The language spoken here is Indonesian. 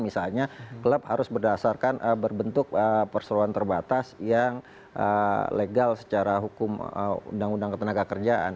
misalnya klub harus berdasarkan berbentuk perseroan terbatas yang legal secara hukum undang undang ketenaga kerjaan